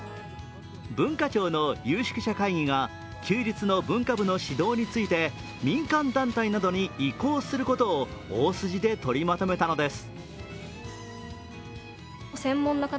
文化庁の有識者会議が、休日の文化部の指導について、民間団体などに移行することを大筋で取りまとめたのです。